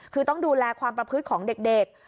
คือต้องดูแลความประพฤติของเด็ก